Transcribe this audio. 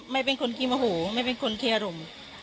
ไม่เป็นคนขี้มะหูไม่เป็นคนเครียรม